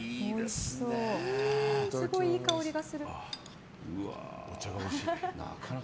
すごいいい香りがする。